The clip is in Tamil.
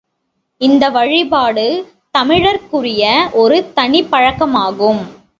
இந்த வழிபாடு தமிழர்க்குரிய ஒரு தனிப் பழக்கமாகும்.